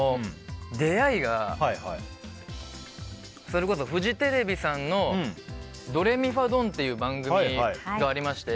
出会いがそれこそフジテレビさんの「ドレミファドン」っていう番組がありまして。